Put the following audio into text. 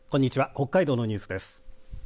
北海道のニュースです。